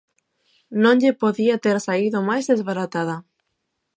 Non lle podía ter saído máis desbaratada.